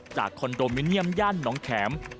คอนโดมิเนียมย่านน้องแข็ม